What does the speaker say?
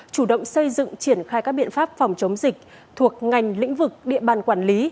chủ động xây dựng triển khai các biện pháp phòng chống dịch thuộc ngành lĩnh vực địa bàn quản lý